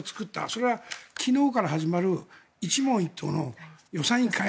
それは昨日から始まる一問一答の予算委員会